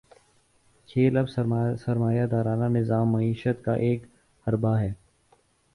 کھیل اب سرمایہ دارانہ نظام معیشت کا ایک حربہ ہے۔